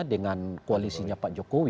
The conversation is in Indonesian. dengan koalisinya pak jokowi